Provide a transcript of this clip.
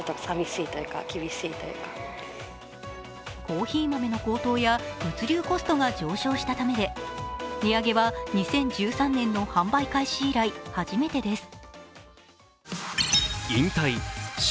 コーヒー豆の高騰や物流コストが上昇したためで値上げは、２０１３年の販売開始以来初めてです。